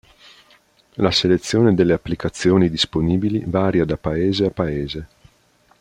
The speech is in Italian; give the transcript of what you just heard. La selezione delle applicazioni disponibili varia da paese a paese.